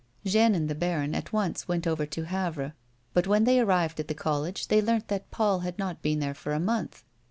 Jeanne and the baron at once went over to Havre, but when they arrived at the college they learnt that Paul had not been there for a month.